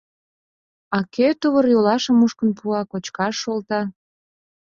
А кӧ тувыр-йолашым мушкын пуа, кочкаш шолта?